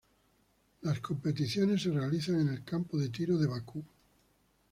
Las competiciones se realizaron en el Campo de Tiro de Bakú.